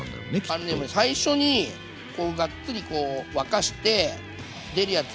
あのね最初にがっつり沸かして出るやつ